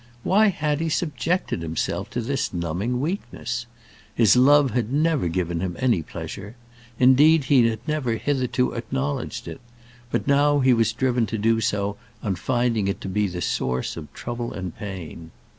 Why had he subjected himself to this numbing weakness? His love had never given him any pleasure. Indeed he had never hitherto acknowledged it; but now he was driven to do so on finding it to be the source of trouble and pain.